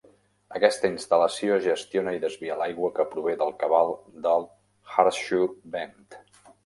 Aquesta instal·lació gestiona i desvia l'aigua que prové del cabal del Horseshoe Bend.